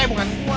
eh bukan gue